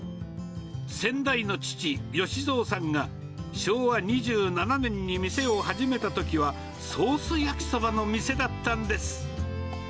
先代の父、由三さんが昭和２７年に店を始めたときは、ソース焼きそばの店だったんです。